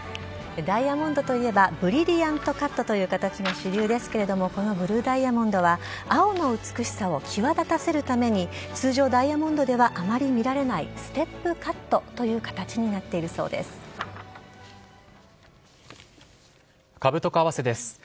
ダイヤモンドといえばブリリアントカットという形が主流ですがこのブルーダイヤモンドは青の美しさを際立たせるために通常、ダイヤモンドではあまり見られないステップカットという形になっているそうです。